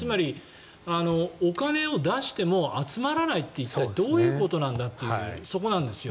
つまりお金を出しても集まらないって一体、どういうことなんだというそこなんですよ。